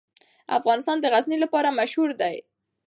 افغانستان د غزني لپاره مشهور دی.